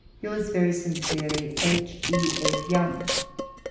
Yours very sincerely, H. E. F. YOUNG.